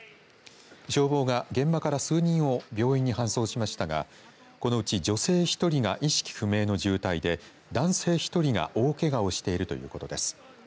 消防が現場から数人を病院に搬送しましたがこのうち、女性１人が意識不明の重体で男性１人が大けがをしているということです。